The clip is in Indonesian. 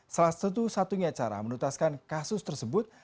salah satu satunya cara menutaskan kasus tersebut